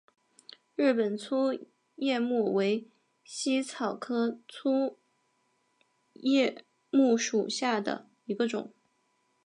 日本粗叶木为茜草科粗叶木属下的一个种。